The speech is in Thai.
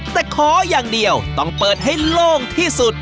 แต่ขออย่างเดียวต้องเปิดให้โล่งที่สุด